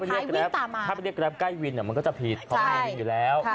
วิ่งตามมาถ้าไปเรียกกราบใกล้วินเนี่ยมันก็จะผิดเพราะว่าเรียกวินอยู่แล้ว